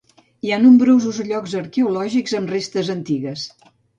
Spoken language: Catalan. Hi ha nombrosos llocs arqueològics amb restes antigues.